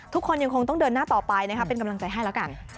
ทุกคนยังคงต้องเดินหน้าต่อไปนะคะเป็นกำลังใจให้แล้วกัน